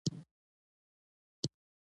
ژبه د سیاست ابزار ده